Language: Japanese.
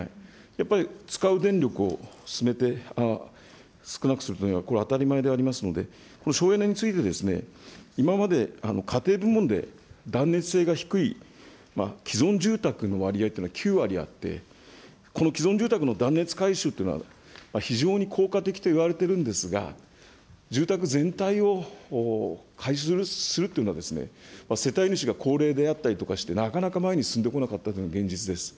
やっぱり使う電力を少なくすることはこれは当たり前でありますので、省エネについて、今まで家庭部門で断熱性が低い既存住宅の割合というのは９割あって、この既存住宅の断熱改修というのは非常に効果的といわれてるんですが、住宅全体を改修するというのは世帯主が高齢であったりとかして、なかなか前に進んでこなかったというのが現実です。